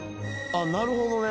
あっなるほどね。